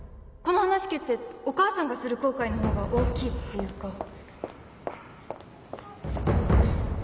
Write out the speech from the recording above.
この話蹴ってお母さんがする後悔のほうが大きいっていうか